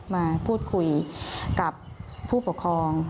มาพูดคุยกับผู้ปกครอง